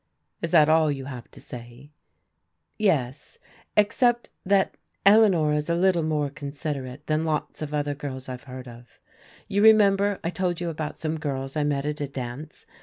" Is that all you have to say ?"" Yes, except that Eleanor is a litde more considerate than lots of other girls I've heard of. You remember I told you about some girls I met at a dance.